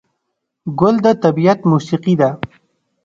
ګل د طبیعت موسیقي ده.